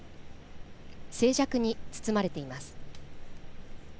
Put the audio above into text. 静寂に包まれています。